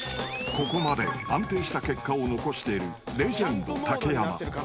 ［ここまで安定した結果を残しているレジェンド竹山］